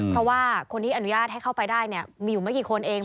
เพราะว่าคนที่อนุญาตให้เข้าไปได้เนี่ยมีอยู่ไม่กี่คนเอง